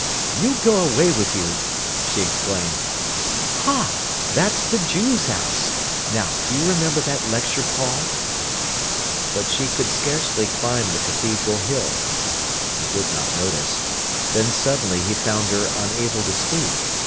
"You go away with you!" she exclaimed. "Ha! that's the Jew's House. Now, do you remember that lecture, Paul—?" But she could scarcely climb the cathedral hill. He did not notice. Then suddenly he found her unable to speak.